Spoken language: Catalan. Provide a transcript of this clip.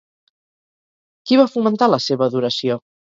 Qui va fomentar la seva adoració?